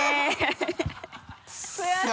悔しい。